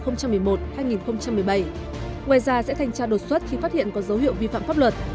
ngoài ra sẽ thanh tra đột xuất khi phát hiện có dấu hiệu vi phạm pháp luật